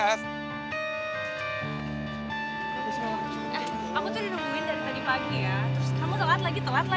aku tuh udah nungguin dari tadi pagi ya